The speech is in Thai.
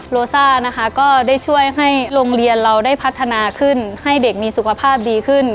โลซ่านะคะก็ได้ช่วยให้โรงเรียนเราได้พัฒนาขึ้นให้เด็กมีสุขภาพดีขึ้น